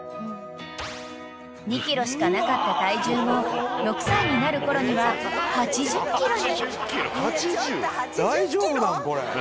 ［２ｋｇしかなかった体重も６歳になるころには８０ｋｇに］